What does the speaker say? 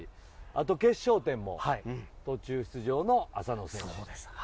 あと、決勝点も途中出場の浅野選手。